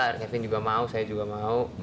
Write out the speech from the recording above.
pak kevin juga mau saya juga mau